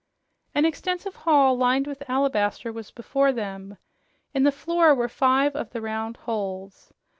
An extensive hall lined with alabaster was before them. In the floor were five of the round holes.